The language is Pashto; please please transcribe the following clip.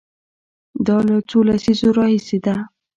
دا له څو لسیزو راهیسې ده.